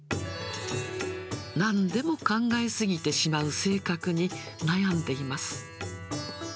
なんでも考え過ぎてしまう性格に悩んでいます。